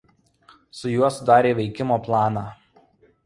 Su juo sudarė veikimo planą.